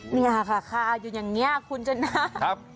เนี่ยค่ะคาอยู่อย่างนี้คุณชนะ